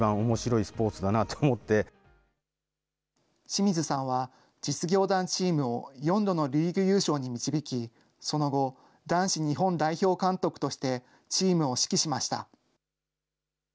清水さんは、実業団チームを４度のリーグ優勝に導き、その後、男子日本代表監督としてチームを指揮しました。